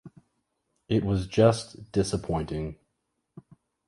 It was just disappointing.